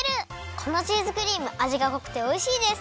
このチーズクリームあじがこくておいしいです！